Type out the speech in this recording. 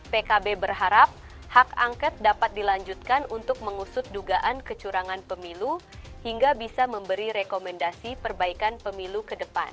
pkb berharap hak angket dapat dilanjutkan untuk mengusut dugaan kecurangan pemilu hingga bisa memberi rekomendasi perbaikan pemilu ke depan